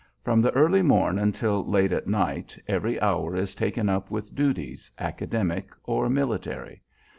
From early morn until late at night every hour is taken up with duties, academic or military.